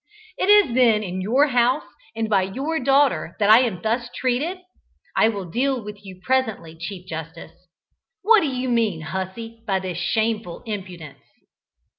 "It is then in your house and by your daughter that I am thus treated? I will deal with you presently, Chief Justice. What do you mean, hussey, by this shameful impudence?"